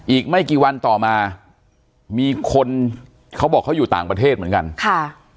อีกไม่กี่วันต่อมามีคนเขาบอกเขาอยู่ต่างประเทศเหมือนกันค่ะ